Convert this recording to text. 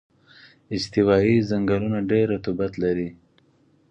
استوایي ځنګلونه ډېر رطوبت لري.